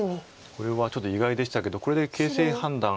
これはちょっと意外でしたけどこれで形勢判断。